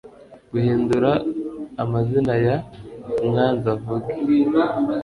guhindura amazina ya UMWANZAVUGE